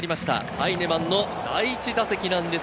ハイネマンの第１打席です。